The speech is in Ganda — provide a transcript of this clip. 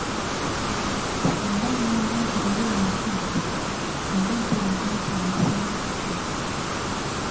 Singa ngamba nti lule akudde, mba ntegeeza nti ayise “nakku”.